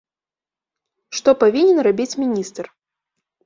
Што павінен рабіць міністр?